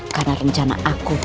karena rencana aku